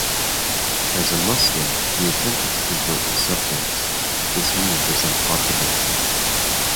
As a Muslim, he attempted to convert his subjects; this move was unpopular.